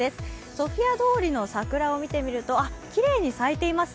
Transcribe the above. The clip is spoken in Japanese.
ソフィア通りの桜を見てみますときれいに咲いています。